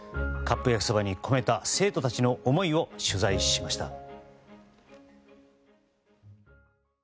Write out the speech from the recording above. カップ焼きそばに込めた生徒たちの思いを取材しました。